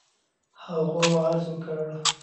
هغو عرض وكړ: